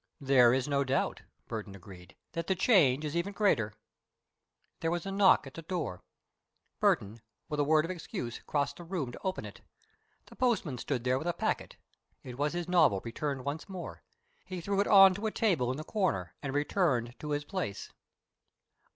"There is no doubt," Burton agreed, "that the change is even greater." There was a knock at the door. Burton, with a word of excuse, crossed the room to open it. The postman stood there with a packet. It was his novel returned once more. He threw it on to a table in the corner and returned to his place.